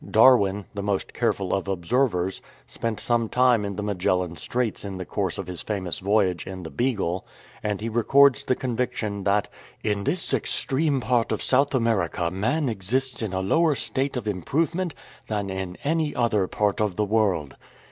Darwin, the most careful of observers, spent some time in the Magellan Straits in the course of his famous voyage in the Beagle^ and he records the con viction that " in this extreme part of South America man exists in a lower state of improvement than in any other pai t of the world."